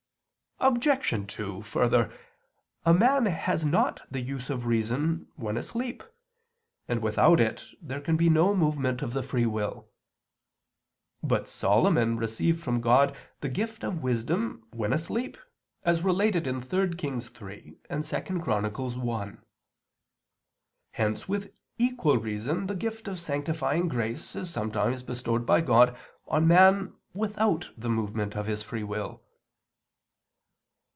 Obj. 2: Further, a man has not the use of reason when asleep, and without it there can be no movement of the free will. But Solomon received from God the gift of wisdom when asleep, as related in 3 Kings 3 and 2 Paral 1. Hence with equal reason the gift of sanctifying grace is sometimes bestowed by God on man without the movement of his free will.